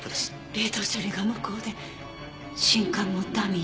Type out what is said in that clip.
冷凍処理が無効で信管もダミーだとしたら。